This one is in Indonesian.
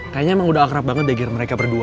kayaknya emang udah akrab banget deh biar mereka berdua